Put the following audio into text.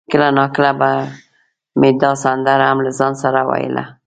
کله ناکله به مې دا سندره هم له ځانه سره ویله.